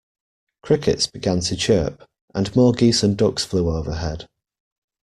Crickets began to chirp, and more geese and ducks flew overhead.